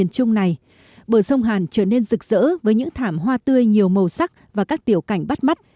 trong này bờ sông hàn trở nên rực rỡ với những thảm hoa tươi nhiều màu sắc và các tiểu cảnh bắt mắt